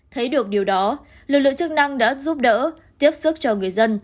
thấy được điều đó lực lượng chức năng đã giúp đỡ tiếp sức cho người dân